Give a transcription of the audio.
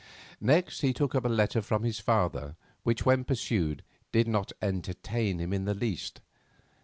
Next he took up a letter from his father, which, when perused, did not entertain him in the least.